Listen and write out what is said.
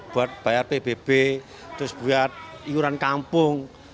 buat bayar pbb terus buat iuran kampung